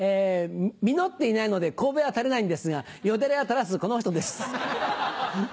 実っていないので頭は垂れないんですがよだれは垂らすこの人です。